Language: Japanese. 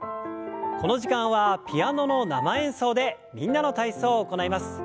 この時間はピアノの生演奏で「みんなの体操」を行います。